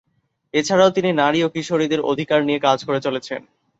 এছাড়াও, তিনি নারী ও কিশোরীদের অধিকার নিয়ে কাজ করে চলেছেন।